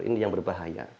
ini yang berbahaya